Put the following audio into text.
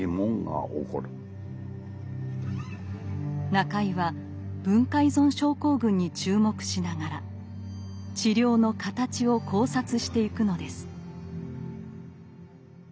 中井は文化依存症候群に注目しながら治療の形を考察してゆくのです。